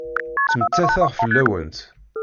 Ttmettateɣ fell-awent.